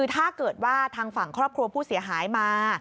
ถ้าเกิดว่าทางฝั่งครอบครัวผู้เสียหายมา